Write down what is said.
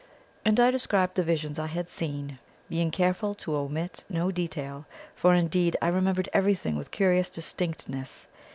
And I described the visions I had seen, being careful to omit no detail, for, indeed, I remembered everything with curious distinctness.